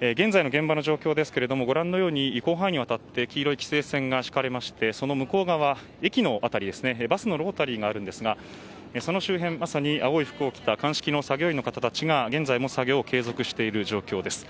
現在の現場の状況ですが広範囲にわたって黄色い規制線が敷かれましてその向こう側、駅の辺りバスのロータリーがあるんですがその周辺、まさに青い服を着た鑑識の作業員の方たちが現在も作業を継続している状況です。